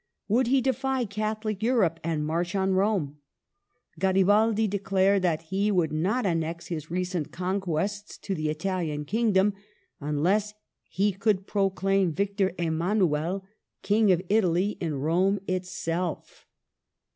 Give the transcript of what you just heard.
Would he defy Catholic Europe and march on Rome ? Garibaldi declared that he would not annex his recent conquests to the Italian Kingdom until he could proclaim Victor Emmanuel King of Italy in Rome itself.